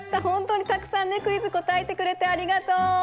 ほんとうにたくさんねクイズこたえてくれてありがとう！